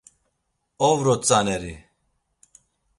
Ovro tzaneri.